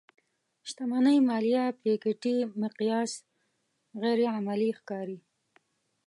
شتمنۍ ماليه پيکيټي مقیاس غیر عملي ښکاري.